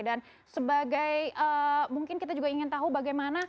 dan sebagai mungkin kita juga ingin tahu bagaimana